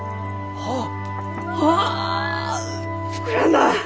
あっ。